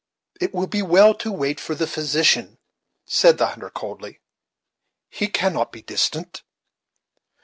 "It will be well to wait for the physician," said the hunter coldly; "he cannot be distant."